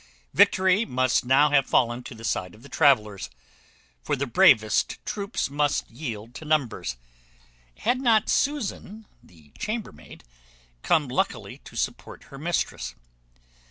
Victory must now have fallen to the side of the travellers (for the bravest troops must yield to numbers) had not Susan the chambermaid come luckily to support her mistress.